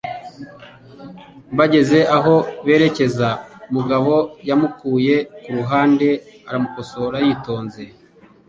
Bageze aho berekeza, Mugabo yamukuye ku ruhande aramukosora yitonze.